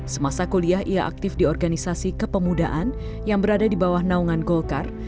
semasa kuliah ia aktif di organisasi kepemudaan yang berada di bawah naungan golkar